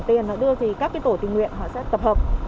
tiền họ đưa thì các tổ tình nguyện họ sẽ tập hợp